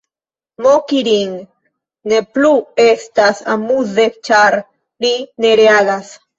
Moki rin ne plu estas amuze ĉar ri ne reagas.